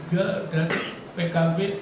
p tiga dan pkb